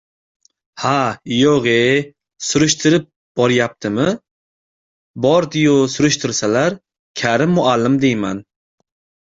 Ha yo‘g‘-ye... surishtirib borayaptimi. Bordi-yu, surishtirsalar, Karim muallim, deyman...